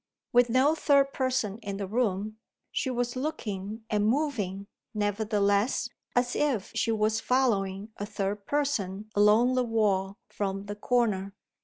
With no third person in the room, she was looking, and moving, nevertheless, as if she was following a third person along the wall, from the corner.